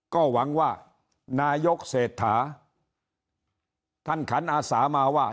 ก็หวังว่านายกเศรษฐาท่านขันอาสามาว่า